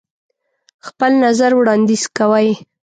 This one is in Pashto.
خپل نظر وړاندیز کوئ.